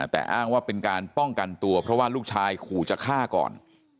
แต่อ้างว่าเป็นการป้องกันตัวเพราะว่าลูกชายขู่จะฆ่าก่อน